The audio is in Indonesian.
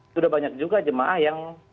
sudah banyak juga jemaah yang